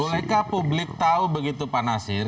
bolehkah publik tahu begitu pak nasir